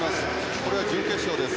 これは準決勝です。